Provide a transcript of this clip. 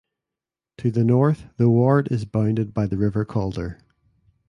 To the north the ward is bounded by the River Calder.